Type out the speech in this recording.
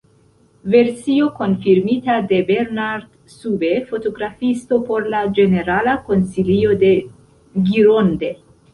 Versio konfirmita de Bernard Sube, fotografisto por la ĝenerala konsilio de Gironde.